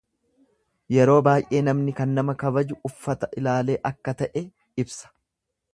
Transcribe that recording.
Yeroo baay'ee namni kan nama kabaju uffata ilaalee akka ta'e ibsa.